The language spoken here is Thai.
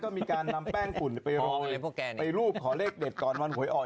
ก็มีการนำแป้งฝุ่นไปรูปขอเลขเด็ดก่อนวันหวยอ่อย